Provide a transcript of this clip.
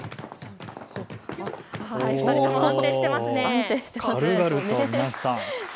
２人とも、安定していますね。